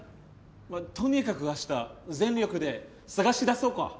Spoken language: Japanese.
まあとにかく明日全力で捜し出そうか。